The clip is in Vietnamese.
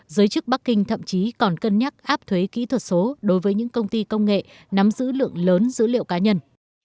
giới chức bắc kinh thậm chí còn cân nhắc áp thuế kỹ thuật số đối với những công ty công nghệ nắm giữ lượng lớn dữ liệu cá nhân